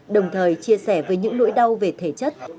đồng thời chia sẻ với những nỗi đau về thể chất